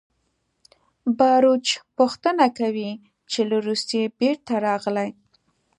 باروچ پوښتنه کوي چې له روسیې بېرته راغلې